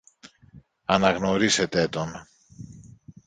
αναγνωρίσετε τον